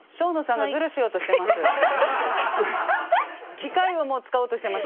機械をもう使おうとしてます。